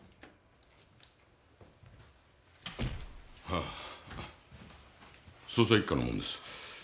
ああ捜査一課の者です。